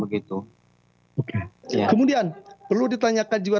kemudian perlu ditanyakan juga